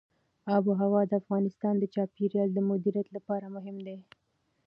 آب وهوا د افغانستان د چاپیریال د مدیریت لپاره مهم دي.